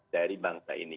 dari bangsa ini